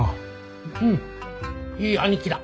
うんいい兄貴だ。